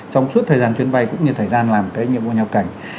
trong suốt thời gian chuyến bay cũng như thời gian làm cái nhiệm vụ nhập cảnh